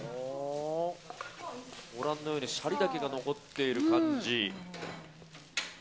ご覧のようにシャリだけが残っている感じ。